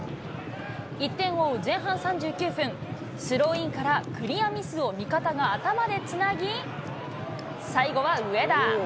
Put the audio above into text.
１点を追う前半３９分、スローインからクリアミスを味方が頭でつなぎ、最後は上田。